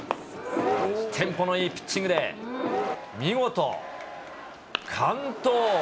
テンポのいいピッチングで、見事完投。